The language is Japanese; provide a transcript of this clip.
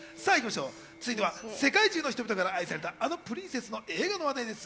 続いては世界中の人々から愛された、あのプリンセスの映画の話題です。